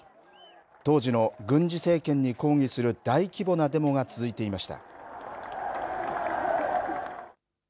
当時の軍事政権に抗議する大規模なデモが続いていました。